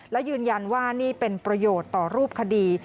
และยืนยันว่านี่เป็นประโยชน์ต่อรูปคดี